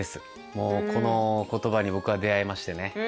もうこの言葉に僕は出会いましてね。